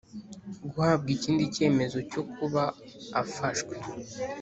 guhabwa ikindi cyemezo cyo kuba afashwe